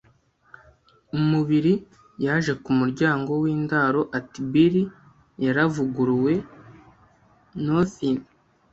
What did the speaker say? umubiri, yaje ku muryango w'indaro. Ati: "Bill yaravuguruwe '. “Nothin”